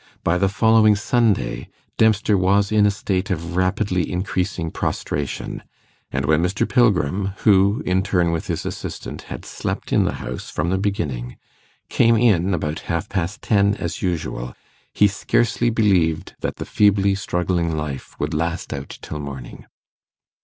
By the following Sunday, Dempster was in a state of rapidly increasing prostration; and when Mr. Pilgrim, who, in turn with his assistant, had slept in the house from the beginning, came in, about half past ten, as usual, he scarcely believed that the feebly struggling life would last out till morning.